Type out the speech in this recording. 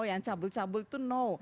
yang cabul cabul itu no